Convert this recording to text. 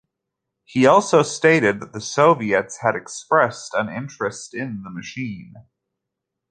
He also stated that the Soviets had expressed an interest in the machine.